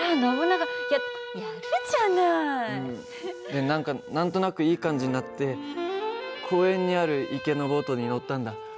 で何か何となくいい感じになって公園にある池のボートに乗ったんだ。